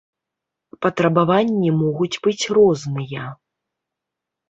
Патрабаванні могуць быць розныя.